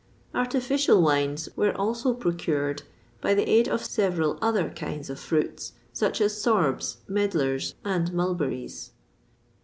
[XXVI 45] "Artificial wines" were also procured by the aid of several other kinds of fruits, such as sorbs, medlars, and mulberries.